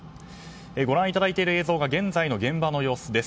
ご覧いただいている映像が現在の現場の映像です。